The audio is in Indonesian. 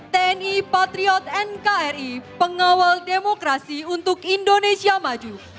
tni patriot nkri pengawal demokrasi untuk indonesia maju